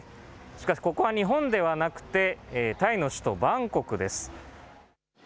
しかし、ここは日本ではなくて、タイの首都バンコクです。